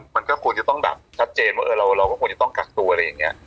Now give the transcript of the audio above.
มันก็ควรจะต้องแบบชัดเจนว่าเราก็ควรจะต้องกักตัวอะไรอย่างนี้